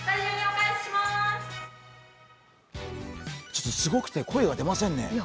ちょっとすごくて声が出ませんね。